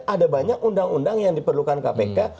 ada banyak undang undang yang diperlukan kpk